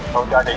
cứu con mẹ ơi